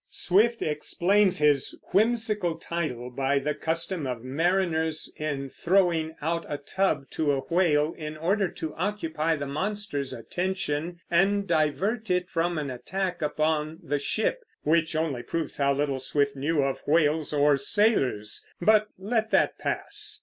Swift explains his whimsical title by the custom of mariners in throwing out a tub to a whale, in order to occupy the monster's attention and divert it from an attack upon the ship, which only proves how little Swift knew of whales or sailors. But let that pass.